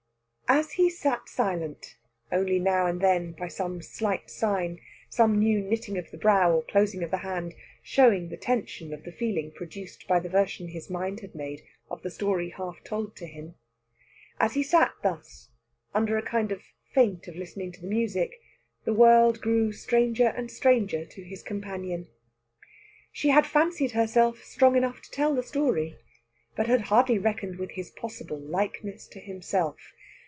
As he sat silent, only now and then by some slight sign, some new knitting of the brow or closing of the hand, showing the tension of the feeling produced by the version his mind had made of the story half told to him as he sat thus, under a kind of feint of listening to the music, the world grew stranger and stranger to his companion. She had fancied herself strong enough to tell the story, but had hardly reckoned with his possible likeness to himself.